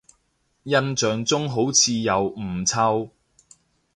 印象中好似又唔臭